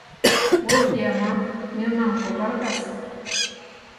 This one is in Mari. Ой, киямат, мелнам когарга-с!